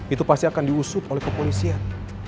itu pasti akan diusut oleh kepolisian